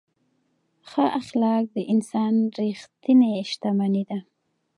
ښه اخلاق د انسان ریښتینې شتمني ده.